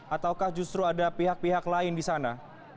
ataukah justru ada pihak pihak lain di sana